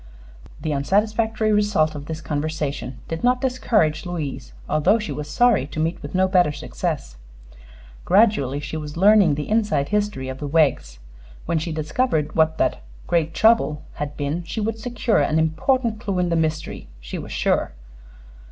The unsatisfactory result of this conversation did not discourage Louise, although she was sorry to meet with no better success. Gradually she was learning the inside history of the Weggs. When she discovered what that "great trouble" had been she would secure an important clue in the mystery, she was sure.